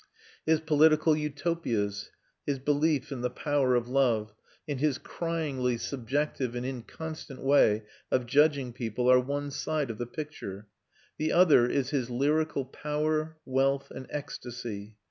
His political utopias, his belief in the power of love, and his cryingly subjective and inconstant way of judging people are one side of the picture; the other is his lyrical power, wealth, and ecstasy.